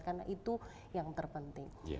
karena itu yang terpenting